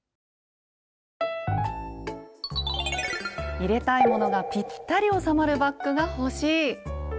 入れたいものがぴったり収まるバッグが欲しい！